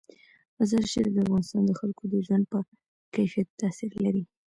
مزارشریف د افغانستان د خلکو د ژوند په کیفیت تاثیر لري.